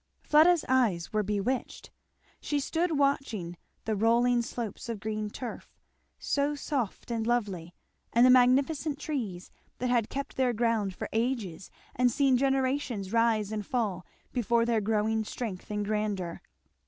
Fleda's eyes were bewitched. She stood watching the rolling slopes of green turf, so soft and lovely, and the magnificent trees, that had kept their ground for ages and seen generations rise and fall before their growing strength and grandeur.